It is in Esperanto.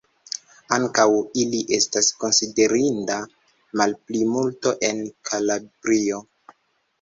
Ankaŭ ili estas konsiderinda malplimulto en Kalabrio.